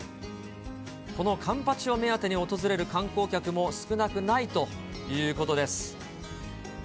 このカンパチを目当てに訪れる観光客も少なくないということです。